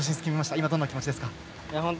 今、どんな気持ちですか？